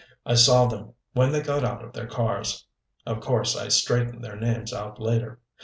I saw them when they got out of their cars. Of course I straightened their names out later.